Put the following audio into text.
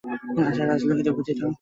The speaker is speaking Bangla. আশা রাজলক্ষ্মীকে বুঝিত।